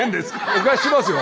お貸ししますよ。